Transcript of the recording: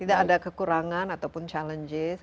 tidak ada kekurangan ataupun challenges